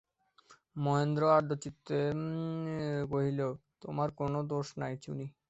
মহেন্দ্র আর্দ্রচিত্তে কহিল, তোমার কোনো দোষ নাই, চুনি।